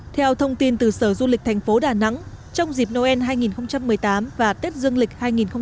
theo thông tin từ sở du lịch thành phố đà nẵng trong dịp noel hai nghìn một mươi tám và tết dương lịch hai nghìn một mươi chín